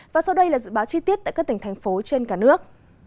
và sau đây là dự báo chi tiết tại các tỉnh thành phố trên cả nước